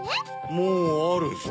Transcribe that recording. もうあるぞ。